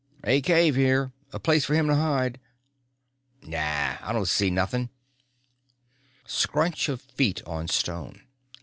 "A cave here a place for him to hide." "Nah, I don't see nothing." Scrunch of feet on stone.